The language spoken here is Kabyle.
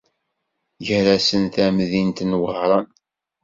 Gar-asen tamdint n Wehran.